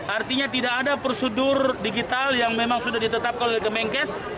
artinya tidak ada prosedur digital yang memang sudah ditetapkan oleh kemenkes